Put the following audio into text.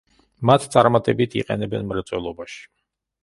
მათ წარმატებით იყენებენ მრეწველობაში.